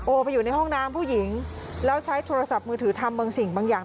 ไปอยู่ในห้องน้ำผู้หญิงแล้วใช้โทรศัพท์มือถือทำบางสิ่งบางอย่าง